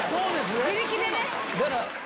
自力でね。